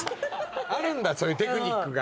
あるんだそういうテクニックが。